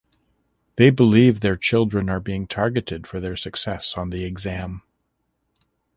They believe their children are being targeted for their success on the exam.